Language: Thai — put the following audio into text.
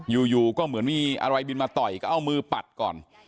อยู่ก็เหมือนมีอะไรบินมาต่อยก็เอามือปัดก่อน